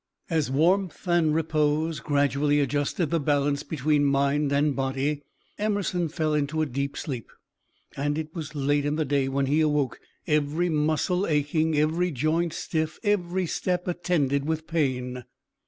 As warmth and repose gradually adjusted the balance between mind and body, Emerson fell into a deep sleep, and it was late in the day when he awoke, every muscle aching, every joint stiff, every step attended with pain.